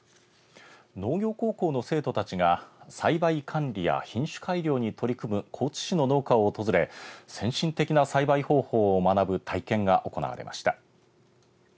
農業高校の生徒たちが栽培管理や品種改良に取り組む高知市の農家を訪れ先進的な栽培方法を学ぶ体験が行われました。